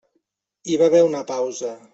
Hi va haver una pausa.